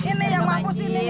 ini yang mampus ini